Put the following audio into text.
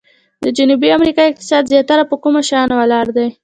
د جنوبي امریکا اقتصاد زیاتره په کومو شیانو ولاړ دی؟